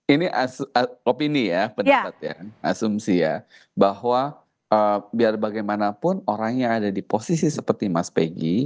ini opini ya pendapat ya asumsi ya bahwa biar bagaimanapun orang yang ada di posisi seperti mas pegi